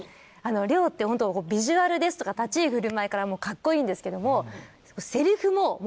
ってビジュアルですとか立ち居振る舞いからカッコいいんですけども。